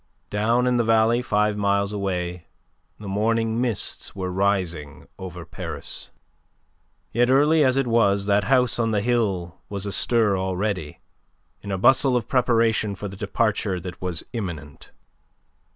Down in the valley, five miles away, the morning mists were rising over Paris. Yet early as it was that house on the hill was astir already, in a bustle of preparation for the departure that was imminent.